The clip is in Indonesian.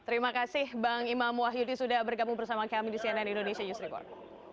terima kasih bang imam wahyudi sudah bergabung bersama kami di cnn indonesia news report